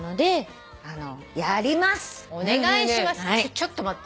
ちょっと待って。